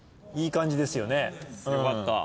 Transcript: いい感じですよね。